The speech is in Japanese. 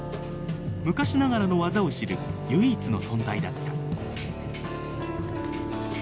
昔ながらの技を知る唯一の存在だった。